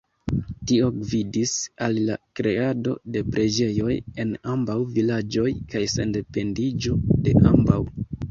Tio gvidis al la kreado de preĝejoj en ambaŭ vilaĝoj kaj sendependiĝo de ambaŭ.